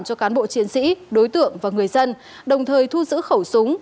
cho cán bộ chiến sĩ đối tượng và người dân đồng thời thu giữ khẩu súng